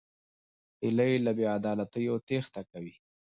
هیلۍ له بېعدالتیو تېښته کوي